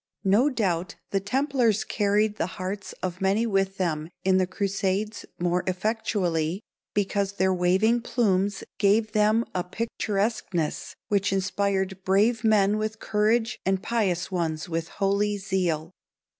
No doubt the templars carried the hearts of many with them in the crusades more effectually because their waving plumes gave them a picturesqueness which inspired brave men with courage and pious ones with holy zeal.